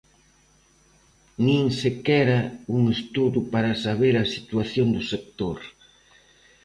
¡Nin sequera un estudo para saber a situación do sector!